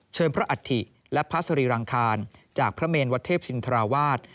พระอัฐิและพระสรีรังคารจากพระเมนวัดเทพชินทราวาส